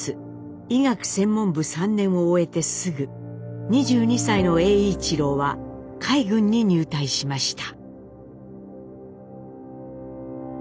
医学専門部３年を終えてすぐ２２歳の栄一郎は海軍に入隊しました。